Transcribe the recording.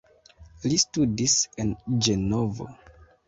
Li studis en Ĝenovo.